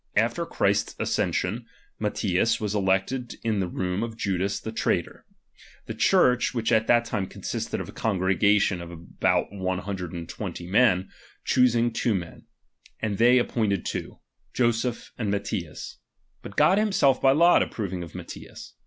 After Christ's ascen sion, Matthias was elected in the room of Judas the RELIGION. ■281 w ^^ traitor; the Church, which at that time consisted ( «Df a congregation of about one hundred and twenty ^ ■■nen, choosing two men : and they appointed two, <• Joseph and Matthias : but God himself by lot t ffl,pproviug of Matthias.